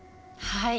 はい。